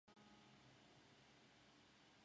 岩上珠为茜草科岩上珠属下的一个种。